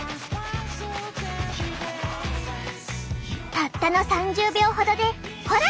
たったの３０秒ほどでほら！